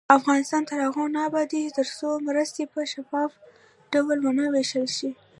افغانستان تر هغو نه ابادیږي، ترڅو مرستې په شفاف ډول ونه ویشل شي.